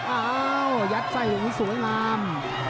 โอ้วยัดใส่อยู่สวยงาม